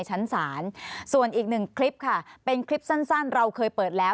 จำได้ไปรับก็จำได้